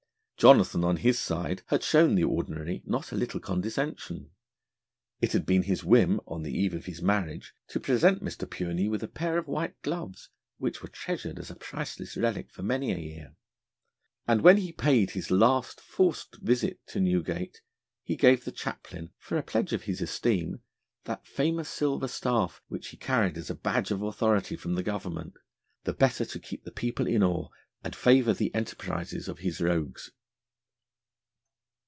Jonathan, on his side, had shown the Ordinary not a little condescension. It had been his whim, on the eve of his marriage, to present Mr. Pureney with a pair of white gloves, which were treasured as a priceless relic for many a year. And when he paid his last, forced visit to Newgate, he gave the Chaplain, for a pledge of his esteem, that famous silver staff, which he carried, as a badge of authority from the Government, the better to keep the people in awe, and favour the enterprises of his rogues.